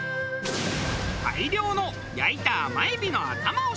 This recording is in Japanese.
大量の焼いた甘海老の頭を使用。